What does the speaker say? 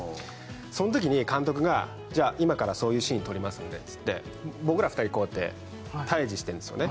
その時に監督が「今からそういうシーン撮りますので」っつって僕ら二人こうやって対峙してるんですよね